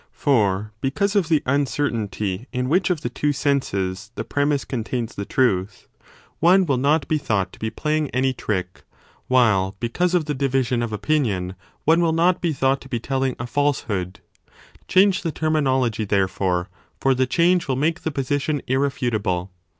For because of the uncertainty in which of the two senses the premiss contains the truth, one will not be thought to be playing any trick, while because of the division of opinion, one will not be thought to be telling a falsehood. Change the terminology therefore, for the 25 change 4 will make the position irrefutable.